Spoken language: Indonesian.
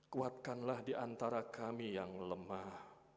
kuatkanlah di antara kami yang lemah